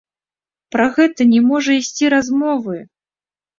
Пра гэта не можа ісці размовы!